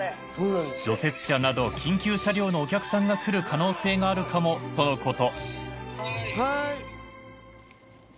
除雪車など緊急車両のお客さんが来る可能性があるかもとのこと。